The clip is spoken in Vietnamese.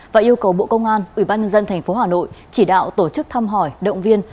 và yêu cầu bộ công an ubnd tp hà nội chỉ đạo tổ chức thăm hỏi động viên